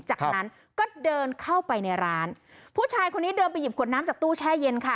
จากนั้นก็เดินเข้าไปในร้านผู้ชายคนนี้เดินไปหยิบขวดน้ำจากตู้แช่เย็นค่ะ